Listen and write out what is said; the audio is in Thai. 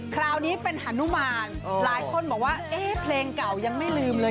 คราวนี้เป็นฮานุมานหลายคนบอกว่าเอ๊ะเพลงเก่ายังไม่ลืมเลย